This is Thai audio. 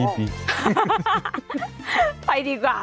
ไปดีกว่า